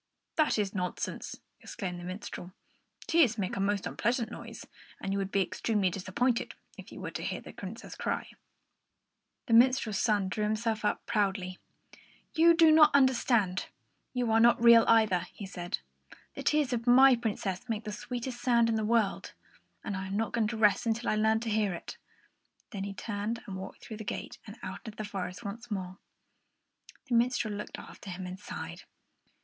"That is nonsense!" exclaimed the minstrel. "Tears make a most unpleasant sound, and you would be extremely disappointed if you were to hear the Princess cry." The minstrel's son drew himself up proudly. "You do not understand; you are not real either," he said. "The tears of my Princess make the sweetest sound in the world, and I am not going to rest until I learn how to hear it." Then he turned and walked through the gate and out into the forest once more. The minstrel looked after him and sighed.